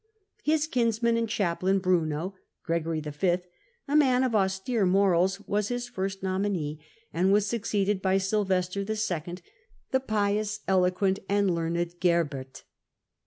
His kinsman and chaplain, Bruno (Gregory V.), a man of austere morals, was his first nominee, and was succeeded by Sylvester 11., the pious, eloquent, and learned Gerbert.